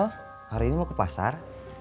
hari ini mau ke pasar